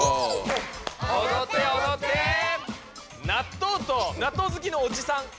「納豆」と「納豆好きのおじさん」。